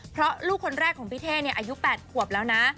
เพราะลูกคนแรกของพี่เท่อายุ๘ขวบแล้วนะ